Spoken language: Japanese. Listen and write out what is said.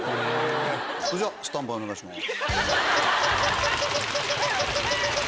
それじゃスタンバイお願いします。